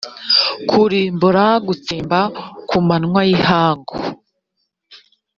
kurimbura gutsemba ku manywa y ihangu